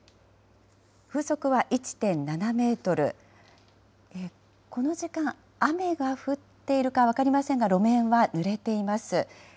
風速は１．７メートル、この時間、雨が降っているか分かりませんが、路面はぬれています。